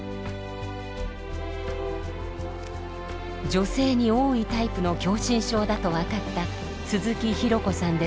女性に多いタイプの狭心症だと分かった鈴木ひろこさんです。